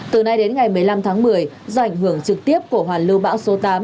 từ nay đến ngày một mươi năm tháng một mươi do ảnh hưởng trực tiếp của hoàn lưu bão số tám